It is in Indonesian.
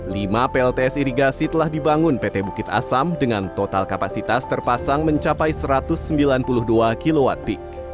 lima plts irigasi telah dibangun pt bukit asam dengan total kapasitas terpasang mencapai satu ratus sembilan puluh dua kw peak